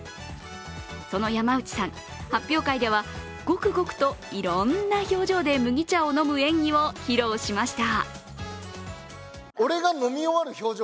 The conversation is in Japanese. その山内さん、発表会ではごくごくといろんな表情で麦茶を飲む演技を披露しました。